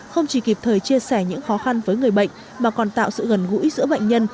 không chỉ kịp thời chia sẻ những khó khăn với người bệnh mà còn tạo sự gần gũi giữa bệnh nhân